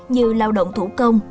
như lao động thủ công